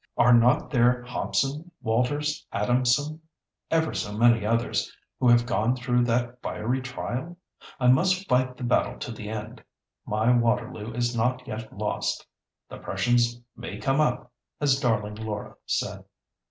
Are not there Hobson, Walters, Adamson—ever so many others—who have gone through that fiery trial? I must fight the battle to the end. My Waterloo is not yet lost. 'The Prussians may come up,' as darling Laura said."